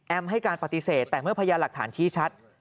แอ้มให้การปฏิเสธแต่เมื่อพยายามหลักฐานที่ชัด